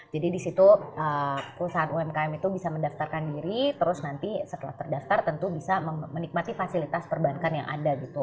jadi di situ usaha umkm itu bisa mendaftarkan diri terus nanti setelah terdaftar tentu bisa menikmati fasilitas perbankan yang ada gitu